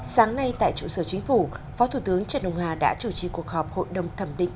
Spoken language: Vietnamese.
sáng nay tại trụ sở chính phủ phó thủ tướng trần ông hà đã chủ trì cuộc họp hội đồng thẩm định